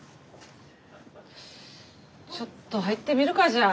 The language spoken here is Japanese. ちょっと入ってみるかじゃあ。